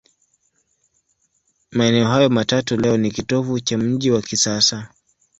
Maeneo hayo matatu leo ni kitovu cha mji wa kisasa.